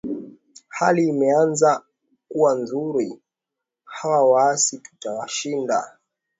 hali imeanza kuwa nzuri hawa waasi tutawashinda